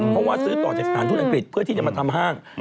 เพราะว่าซื้อต่อจากสถานทูตอังกฤษเพื่อที่จะมาทำห้าง